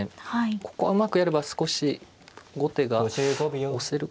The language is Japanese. ここはうまくやれば少し後手が押せるかな。